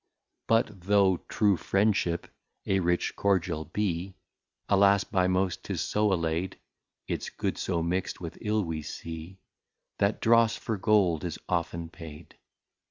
But though True Friendship a Rich Cordial be, Alas, by most 'tis so alay'd, Its Good so mixt with Ill we see, That Dross for Gold is often paid.